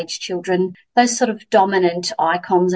ia adalah ikon yang dominan di sana